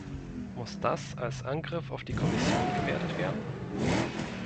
Muss das als Angriff auf die Kommission gewertet werden?